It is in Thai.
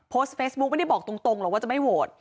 โพสต์เฟซบุ๊กไม่ได้บอกตรงหรอกว่าจะไม่โหวต